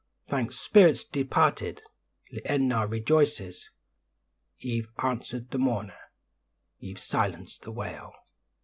Thanks, spirits departed! Le en na rejoices: Ye've answered the mourner ye've silenced the wail.